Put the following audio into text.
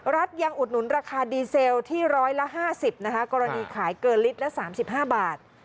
รัฐยังอุดหนุนราคาดีเซลที่๑๕๐นะคะกรณีขายเกินลิตรละ๓๕บาท